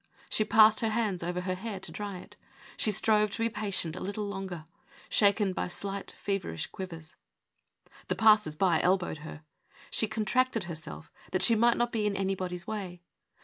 She passed her hands over her hair to dry it. She strove to be patient a little longer, shaken by slight feverish quivers. The passers by elbowed her. She contracted herself that she might not be in anybody's way.